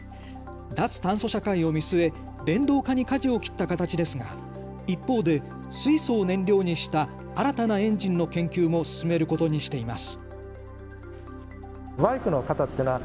脱炭素社会を見据え電動化にかじを切った形ですが一方で水素を燃料にした新たなエンジンの研究も進めることにしています。